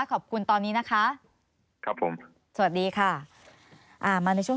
ขอบคุณตอนนี้นะคะ